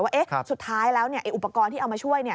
ว่าสุดท้ายแล้วอุปกรณ์ที่เอามาช่วย